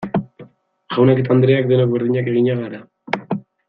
Jaunak eta andreak denok berdinak eginak gara.